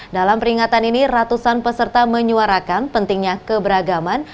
dalam peringatan ini ratusan peserta menyuarakan pentingnya keberagaman